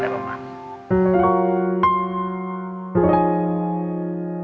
และความรักของสำอาญภาพ